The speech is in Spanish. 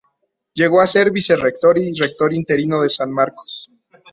Llegó a ser vicerrector y rector interino de San Marcos.